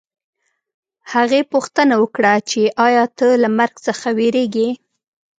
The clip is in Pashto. هغې پوښتنه وکړه چې ایا ته له مرګ څخه وېرېږې